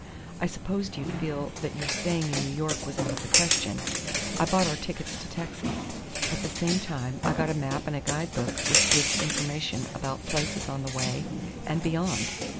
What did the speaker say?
I supposed you'd feel that your staying in New York was out of the question. I bought our tickets to Texas. At the same time I got a map and a guide book which gives information about places on the way and beyond.